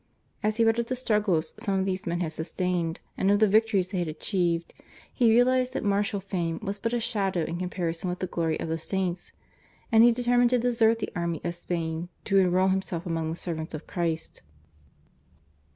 As he read of the struggles some of these men had sustained and of the victories they had achieved he realised that martial fame was but a shadow in comparison with the glory of the saints, and he determined to desert the army of Spain to enrol himself among the servants of Christ.